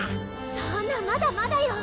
そんなまだまだよ。